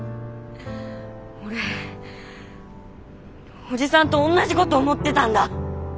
俺おじさんとおんなじこと思ってたんだ。